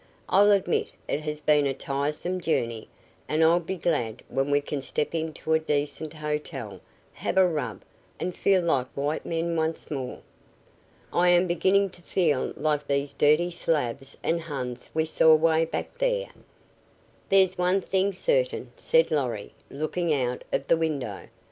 "I'll admit it has been a tiresome journey, and I'll be glad when we can step into a decent hotel, have a rub, and feel like white men once more. I am beginning to feel like these dirty Slavs and Huns we saw 'way back there." "There's one thing certain," said Lorry, looking out of the window.